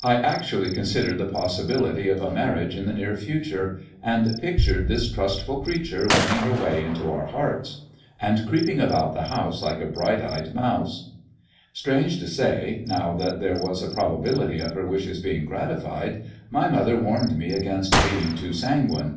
I actually considered the possibility of a marriage in 870 MY COUSIN FROM FRANCE the near future, and pictured this trustful creature winning her way into our hearts and creeping about the house like a bright eyed mouse. Strange to say, now that there was a probability of her wishes being gratified, my mother warned me against being too sanguine.